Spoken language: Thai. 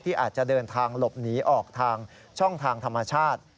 อาจจะเดินทางหลบหนีออกทางช่องทางธรรมชาติ